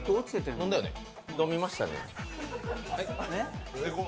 飲みましたね。